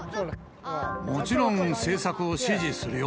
もちろん政策を支持するよ。